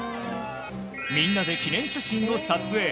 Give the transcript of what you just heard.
みんなで記念写真を撮影。